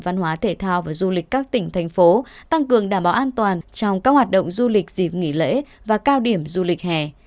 văn hóa thể thao và du lịch các tỉnh thành phố tăng cường đảm bảo an toàn trong các hoạt động du lịch dịp nghỉ lễ và cao điểm du lịch hè